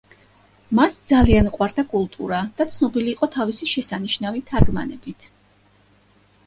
მას ძალიან უყვარდა კულტურა და ცნობილი იყო თავისი შესანიშნავი თარგმანებით.